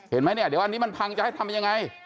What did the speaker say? เห็นไหมเนี่ยเดี๋ยวอันนี้มันพังจะให้ทำยังไง